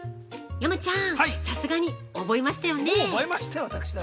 山ちゃーん、さすがに覚えましたよね？